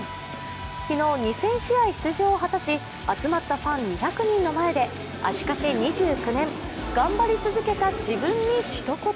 昨日、２０００試合出場を果たし集まったファン２００人の前で足かけ２９年、頑張り続けた自分に一言。